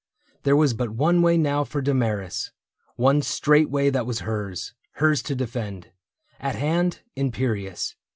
There was but one way now for Damaris — One straight way that was hers, hers to defend. At hand, imperious.